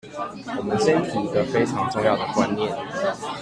我們先提一個非常重要的觀念